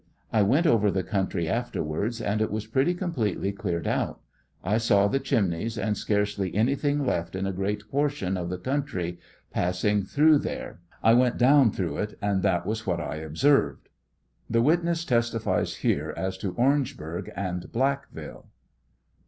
I went over the country afterwards, and it was pretty completely cleared out; I saw the chimneys and scarcely anything left in a great portion of the coun try [passing] through there; I went down through it, and that was what I observed. (The witness testifies here as to Orangeburg and Blackville.)